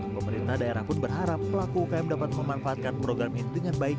pemerintah daerah pun berharap pelaku ukm dapat memanfaatkan program ini dengan baik